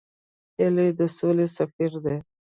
هیلۍ د سولې سفیره ده